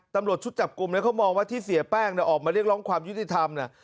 ตำรวจชุดจับกลุ่มเขามองว่าที่เสียแป้งออกมาเรียกร้องความยุติธรรม